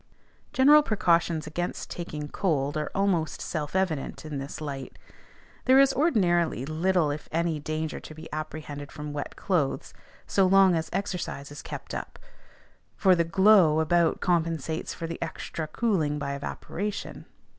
General precautions against taking cold are almost self evident in this light. There is ordinarily little if any danger to be apprehended from wet clothes, so long as exercise is kept up; for the "glow" about compensates for the extra cooling by evaporation.